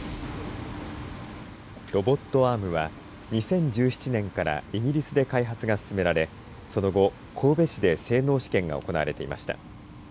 ロボットアームは２０１７年からイギリスで開発が進められその後、神戸市で性能試験が行われていました。